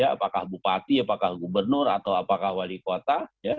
apakah bupati apakah gubernur atau apakah wali kota